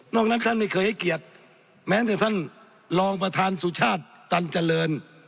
นั้นท่านไม่เคยให้เกียรติแม้แต่ท่านรองประธานสุชาติตันเจริญ